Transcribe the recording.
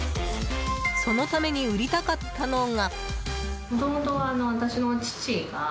そのために売りたかったのが。